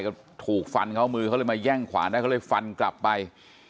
ก็ถูกฟันเขามือเขาเลยมาแย่งขวาได้ก็เลยฟันกลับไป